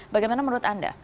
bagaimana menurut anda